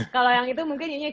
kalau yang itu mungkin nyanyi